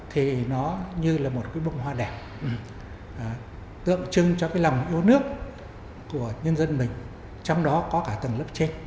thì nó như là một cái bông hoa đẹp tượng trưng cho cái lòng yêu nước của nhân dân mình trong đó có cả tầng lớp trên